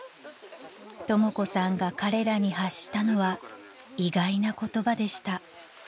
［とも子さんが彼らに発したのは意外な言葉でした］